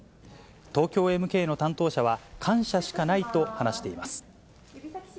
東京エムケイの担当者は、感謝しかないと話しています。